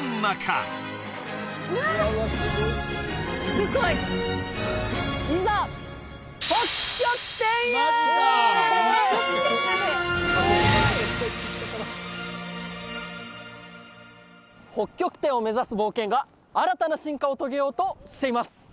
すごい北極点を目指す冒険が新たな進化を遂げようとしています